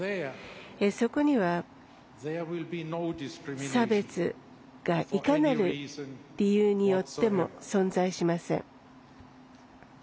そこには差別が、いかなる理由によっても存在しません。